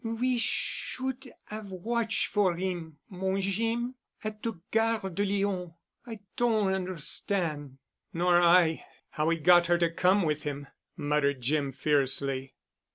"We should 'ave watch' for 'im, mon Jeem—at de Gare de Lyon. I don' on'erstan'——" "Nor I—how he got her to come with him," muttered Jim fiercely.